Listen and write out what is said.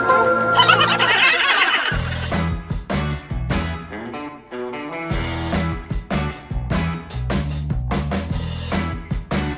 โอ้ยไม่ได้มาเล่นเล่นไม่ได้มาเล่นเล่น